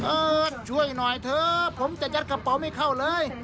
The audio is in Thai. ช่วยหน่อยเถอะผมจะยัดกระเป๋าไม่เข้าเลย